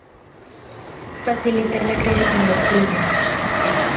Facilita la creación de plugins.